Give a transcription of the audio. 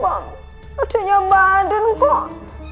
mbak adanya mbak handin kok